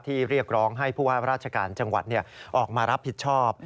เรียกร้องให้ผู้ว่าราชการจังหวัดออกมารับผิดชอบ